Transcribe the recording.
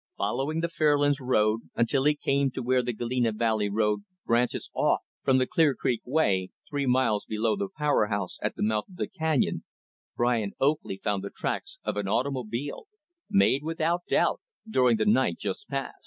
Following the Fairlands road until he came to where the Galena Valley road branches off from the Clear Creek way, three miles below the Power House at the mouth of the canyon, Brian Oakley found the tracks of an automobile made without doubt, during the night just past.